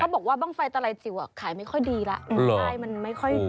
เขาบอกว่าบ้างไฟตลายจิ๋วอ่ะขายไม่ค่อยดีละยังไม่ค่อยเยอะ